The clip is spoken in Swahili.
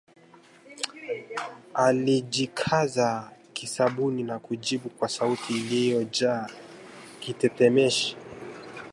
Alijikaza kisabuni na kujibu kwa sauti iliyojaa kitetemeshi